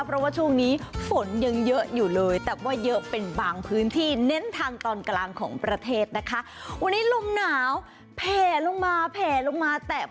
เพราะว่าช่วงนี้ฝนยังเยอะอยู่เลยแต่ว่าเยอะเป็นบางพื้นที่เน้นทางตอนกลางของประเทศนะคะ